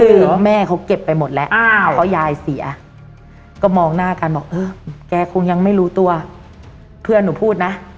คือว่าแม่เขาเก็บไปหมดแล้วเพราะยายเสียก็มองหน้ากันบอกเออแกคงยังไม่รู้ตัวเพื่อนหนูพูดนะ